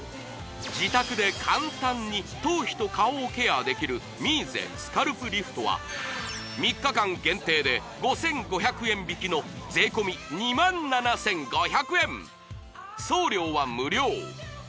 自宅で簡単に頭皮と顔をケアできるミーゼスカルプリフトは３日間限定で５５００円引きの税込２７５００円送料は無料！